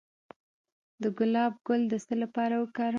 د ګلاب ګل د څه لپاره وکاروم؟